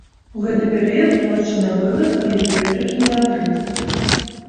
У гэты перыяд плошча набыла свае цяперашнія абрысы.